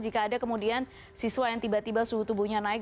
jika ada kemudian siswa yang tiba tiba suhu tubuhnya naik